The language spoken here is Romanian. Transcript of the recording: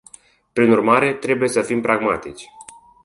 Prin urmare, trebuie să fim pragmatici.